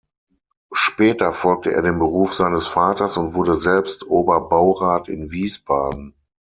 Später folgte er dem Beruf seines Vaters und wurde selbst Oberbaurat in Wiesbaden.